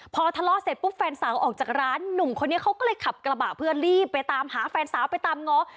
พอทะเลาะเสร็จปุ๊บแฟนสาวออกจากร้านหนุ่มคนนี้เขาก็เลยขับกระบะเพื่อรีบไปตามหาแฟนสาวไปตามง้อ